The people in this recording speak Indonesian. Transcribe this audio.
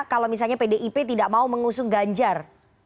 kalau misalnya pdip tidak mau mengusung ganjar